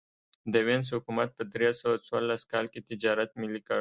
د وینز حکومت په درې سوه څوارلس کال کې تجارت ملي کړ